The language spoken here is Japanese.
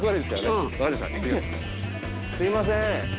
すいません。